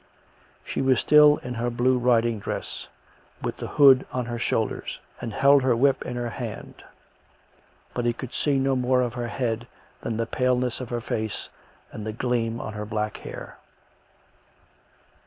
She was still in her blue riding dress, with the hood on her shoulders, and held her whip in her hand; but he could see no more of her head than the paleness of her face and the gleam on her black hair.